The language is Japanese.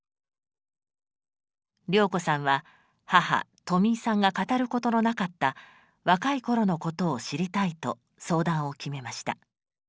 良子さんは母・とみいさんが語ることのなかった若い頃のことを知りたいと相談を決めました。